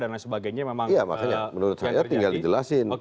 ya makanya menurut saya tinggal dijelasin